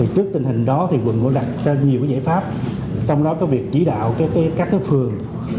trước tình hình đó quận cũng đặt ra nhiều giải pháp trong đó có việc chỉ đạo các phường